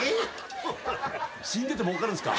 死んでてもうかるんすか。